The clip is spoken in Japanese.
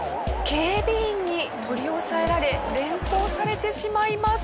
警備員に取り押さえられ連行されてしまいます。